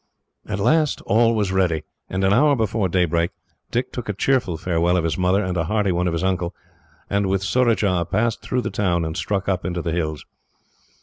At last all was ready and, an hour before daybreak, Dick took a cheerful farewell of his mother, and a hearty one of his uncle, and, with Surajah, passed through the town and struck up into the hills.